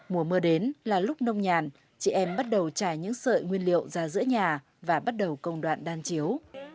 mùa mưa đến là lúc nông nhàn chị em bắt đầu trải những sợi nguyên liệu ra giữa nhà và bắt đầu công đoạn đan chiếu